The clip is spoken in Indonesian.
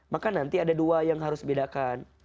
maka nanti ada dua yang harus dibedakan